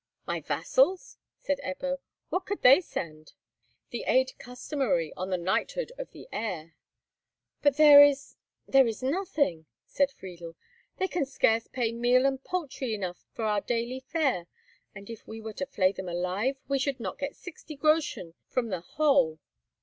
"My vassals?" said Ebbo; "what could they send?" "The aid customary on the knighthood of the heir." "But there is—there is nothing!" said Friedel. "They can scarce pay meal and poultry enough for our daily fare; and if we were to flay them alive, we should not get sixty groschen from the whole."